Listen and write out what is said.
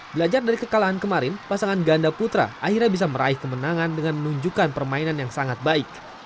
belajar dari kekalahan kemarin pasangan ganda putra akhirnya bisa meraih kemenangan dengan menunjukkan permainan yang sangat baik